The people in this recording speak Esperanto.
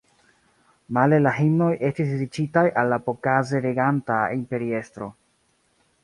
Male la himnoj estis dediĉitaj al la pokaze reganta imperiestro.